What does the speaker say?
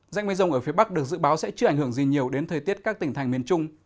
dãy mây rông ở phía bắc được dự báo sẽ chưa ảnh hưởng gì nhiều đến thời tiết các tỉnh thành miền trung